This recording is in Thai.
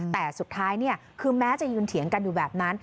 แต่สุดท้ายคือแม้จะยืนเถียงกันอยู่แบบนั้น